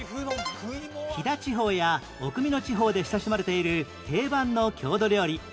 飛騨地方や奥美濃地方で親しまれている定番の郷土料理